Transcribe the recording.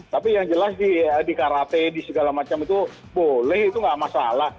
tapi yang jelas di karate di segala macam itu boleh itu nggak masalah